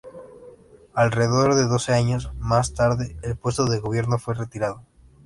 Alrededor de doce años más tarde, el puesto de gobierno fue retirado.